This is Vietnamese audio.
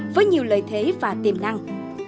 với nhiều lợi thế và tiềm năng